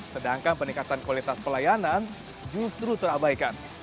sedangkan peningkatan kualitas pelayanan justru terabaikan